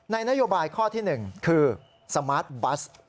นโยบายข้อที่๑คือสมาร์ทบัส